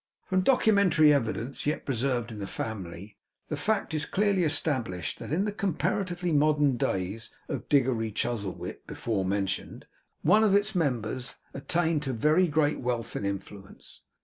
From documentary evidence, yet preserved in the family, the fact is clearly established that in the comparatively modern days of the Diggory Chuzzlewit before mentioned, one of its members had attained to very great wealth and influence.